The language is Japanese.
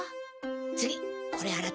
次これあらって。